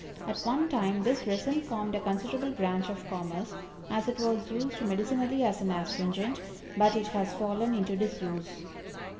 At one time this resin formed a considerable branch of commerce, as it was used medicinally as an astringent, but it has fallen into disuse.